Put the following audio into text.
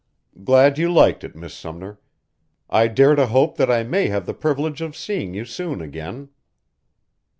"Glad you liked it, Miss Sumner. I dare to hope that I may have the privilege of seeing you soon again."